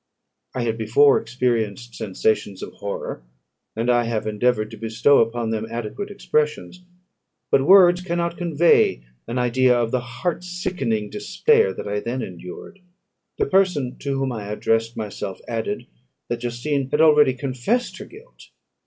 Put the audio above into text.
I had before experienced sensations of horror; and I have endeavoured to bestow upon them adequate expressions, but words cannot convey an idea of the heart sickening despair that I then endured. The person to whom I addressed myself added, that Justine had already confessed her guilt.